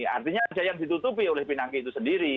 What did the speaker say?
artinya ada yang ditutupi oleh pinangki itu sendiri